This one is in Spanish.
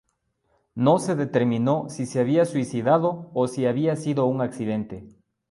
No se determinó si se había suicidado o si había sido un accidente.